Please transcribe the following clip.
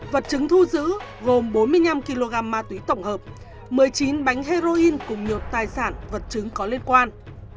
vật chứng thu giữ gồm bốn mươi năm kg ma túy tổng hợp một mươi chín bánh heroin cùng nhiều tài sản vật chứng có liên quan